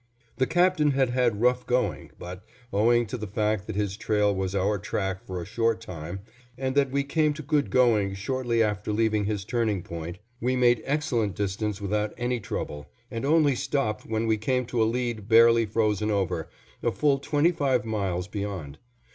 The Captain had had rough going, but, owing to the fact that his trail was our track for a short time, and that we came to good going shortly after leaving his turning point, we made excellent distance without any trouble, and only stopped when we came to a lead barely frozen over, a full twenty five miles beyond.